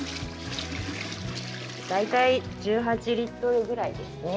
大体１８リットルぐらいですね。